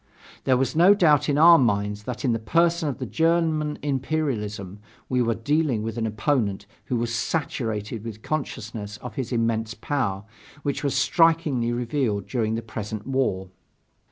There was no doubt in our minds that in the person of the German imperialism we were dealing with an opponent who was saturated with the consciousness of his immense power, which was strikingly revealed during the present war.